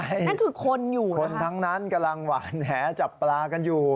นั่นคือคนอยู่คนทั้งนั้นกำลังหวานแหจับปลากันอยู่